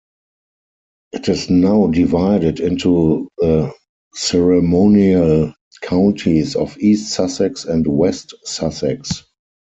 It is now divided into the ceremonial counties of East Sussex and West Sussex.